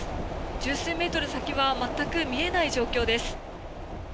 十数メートル先は全く見えない状況です。